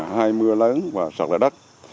hai mưa lớn và sạt lở đất